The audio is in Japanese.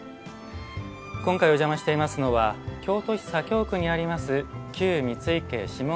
今回お邪魔していますのは京都市左京区にあります